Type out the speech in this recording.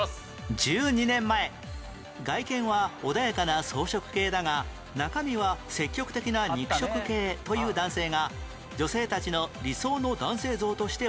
１２年前外見は穏やかな草食系だが中身は積極的な肉食系という男性が女性たちの理想の男性像として話題に